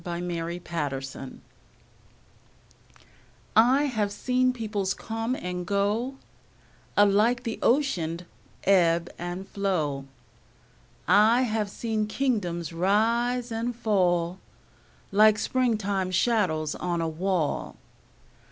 Paul Laurence Dunbar Old I HAVE seen peoples come and go Alike the Ocean'd ebb and flow; I have seen kingdoms rise and fall Like springtime shadows on a wall.